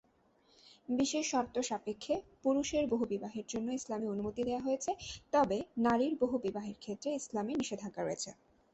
বিশেষ শর্তসাপেক্ষে পুরুষের বহুবিবাহের জন্য ইসলামে অনুমতি দেওয়া হয়েছে, তবে নারীর বহুবিবাহের ক্ষেত্রে ইসলামে নিষেধাজ্ঞা রয়েছে।